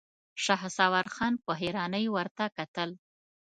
شهسوار خان په حيرانۍ ورته کتل.